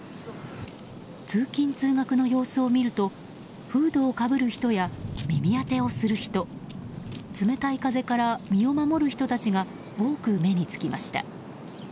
通勤・通学の様子を見るとフードをかぶる人や耳当てをする人冷たい風から身を守る人たちが多く目につきました。